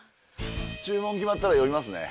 注文決まったら呼びますね。